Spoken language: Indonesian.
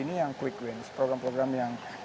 ini yang quick wins program program yang